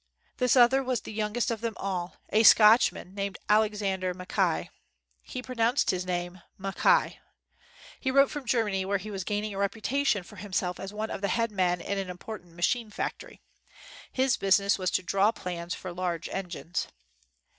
This other was the youngest of them all — a Scotchman named Alexander Mackay. [He pronounced his name, Mack i.] He wrote from Germany where he was gaining a reputation for himself as one of the head men in an important machine factory. His business was to draw plans for large en gines.